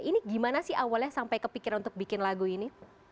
ini gimana sih awalnya sampai kepikiran untuk bikin lagu ini